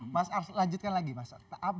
mas arsul lanjutkan lagi mas ars